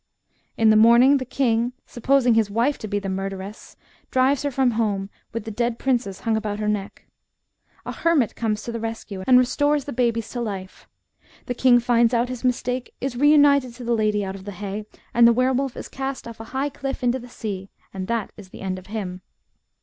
" In the morning, the king, supposing his wife to be the murderess, drives her from home, with the dead princes hung about her neck. A hermit comes to the rescue, and restores the babies to life. The king finds out his mistake, is reunited to the lady out of the hay, and the were wolf is cast off a high cliff into the sea, and that is the end of him.